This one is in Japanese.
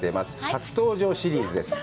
初登場シリーズです。